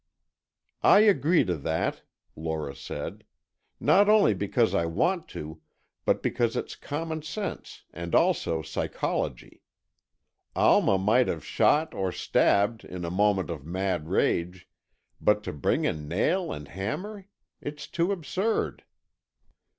"I agree to that," Lora said, "not only because I want to, but because it's common sense and also psychology. Alma might have shot or stabbed, in a moment of mad rage, but to bring a nail and hammer—it's too absurd."